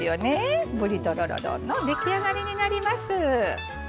ぶりとろろ丼の出来上がりになります。